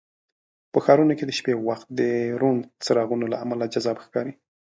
په ښارونو کې د شپې وخت د روڼ څراغونو له امله جذاب ښکاري.